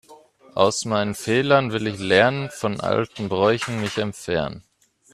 Aus meinen Fehlern will ich lernen, von alten Bräuchen mich entfernen.